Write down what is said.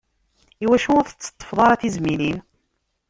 Iwacu ur tetteṭṭfeḍ ara tizmilin?